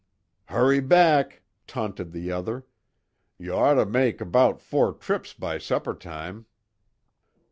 "Hurry back," taunted the other, "You ort to make about four trips by supper time."